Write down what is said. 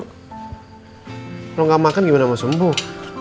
kalau nggak makan gimana mau sembuh